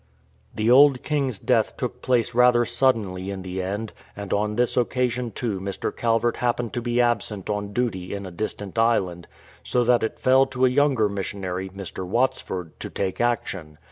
The old king's death took place rather suddenly in the end, and on this occasion too Mr. Calvert happened to be absent on duty in a distant island, so that it fell to a younger missionary, Mr. Watsford, to take action.